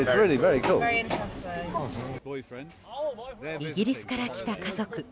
イギリスから来た家族。